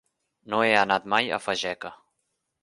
No he anat mai a Fageca.